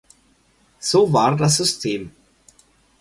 So war das System.